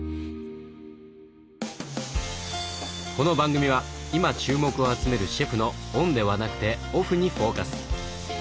この番組は今注目を集めるシェフのオンではなくてオフにフォーカス。